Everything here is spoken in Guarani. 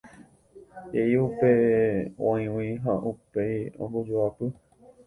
e'i upe g̃uaig̃ui ha upéi ombojoapy